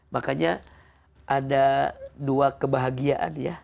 makanya ada dua kebahagiaan ya